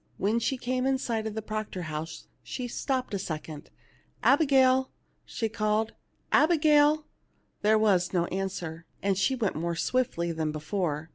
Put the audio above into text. When she came in sight of the Proctor house she stopped a second. " Abigail \" she called " Abigail !" There was no answer, and she went on more swiftly than before.